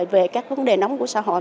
về các vấn đề nóng của xã hội